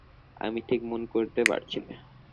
আমি ঠিক মনে করতে পারছি না।